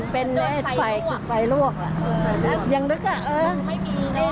เป็นไฟรวกนุกเลย